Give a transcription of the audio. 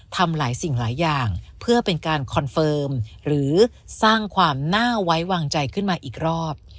ทำหลายสิ่งหลายอย่างเพื่อเป็นการคอนเฟิร์มหรือสร้างความน่าไว้วางใจขึ้นมาอีกรอบ